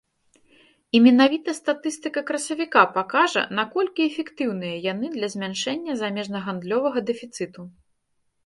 І менавіта статыстыка красавіка пакажа, наколькі эфектыўныя яны для змяншэння замежнагандлёвага дэфіцыту.